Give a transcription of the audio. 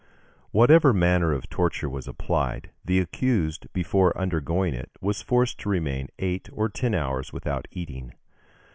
Whatever manner of torture was applied, the accused, before undergoing it, was forced to remain eight or ten hours without eating.